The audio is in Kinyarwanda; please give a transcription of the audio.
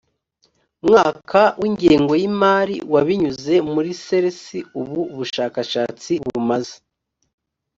mwaka w ingengo y imari wa binyuze muri crc ubu bushakashatsi bumaze